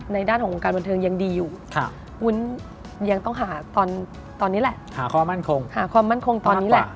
ด้านของวงการบันเทิงยังดีอยู่วุ้นยังต้องหาตอนนี้แหละหาความมั่นคงหาความมั่นคงตอนนี้แหละ